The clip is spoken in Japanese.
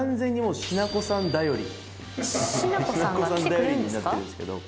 しなこさん頼りになってるんですけど。